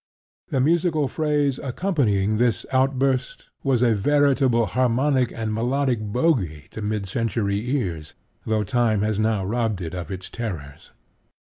The musical phrase accompanying this outburst was a veritable harmonic and melodic bogey to mid century ears, though time has now robbed it of its terrors.